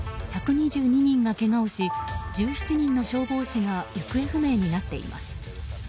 １２２人がけがをし１７人の消防士が行方不明になっています。